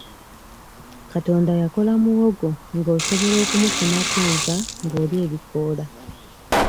Katonda yakola muwogo nga osobola okumufunako enva ng'olya ebikoola.